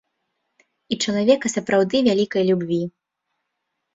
І чалавека сапраўды вялікай любві.